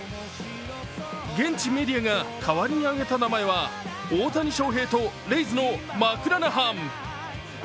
現地メディアが代わりに挙げた名前は大谷翔平とレイズのマクラナハン。